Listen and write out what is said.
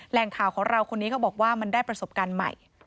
แหล่งข่าวของเราคนนี้เขาบอกว่ามันได้ประสบการณ์ใหม่